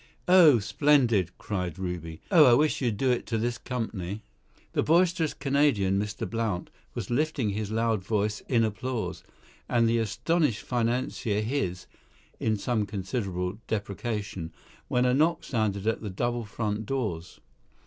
"Oh, splendid," cried Ruby. "Oh, I wish you'd do it to this company." The boisterous Canadian, Mr. Blount, was lifting his loud voice in applause, and the astonished financier his (in some considerable deprecation), when a knock sounded at the double front doors.